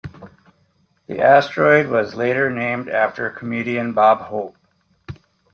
The asteroid was later named after comedian Bob Hope.